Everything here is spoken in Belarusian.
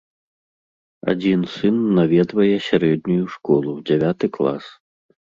Адзін сын наведвае сярэднюю школу, дзявяты клас.